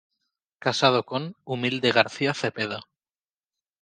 Casado con "Humilde García Zepeda".